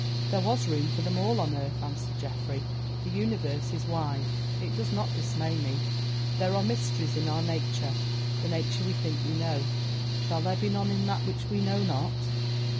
"There was room for them all on earth," answered Geoffrey. "The universe is wide. It does not dismay me. There are mysteries in our nature, the nature we think we know—shall there be none in that which we know not?